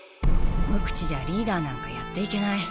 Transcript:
無口じゃリーダーなんかやっていけない。